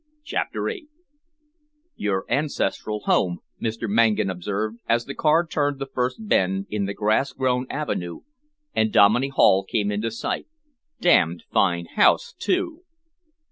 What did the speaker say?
CHAPTER VIII "Your ancestral home," Mr. Mangan observed, as the car turned the first bend in the grass grown avenue and Dominey Hall came into sight. "Damned fine house, too!"